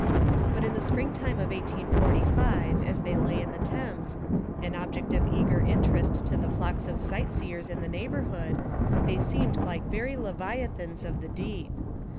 But in the springtime of 1845 as they lay in the Thames, an object of eager interest to the flocks of sightseers in the neighbourhood, they seemed like very leviathans of the deep.